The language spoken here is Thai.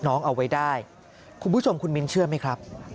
เอาไว้ได้คุณผู้ชมคุณมิ้นเชื่อไหมครับ